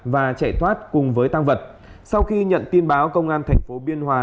và chạy thoát cùng với tang vật sau khi nhận tin báo công an tp biên hòa